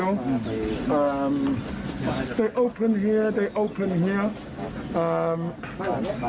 วันนี้มันต่าง